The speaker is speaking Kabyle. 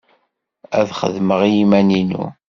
Ad xedmeɣ i yiman-inu.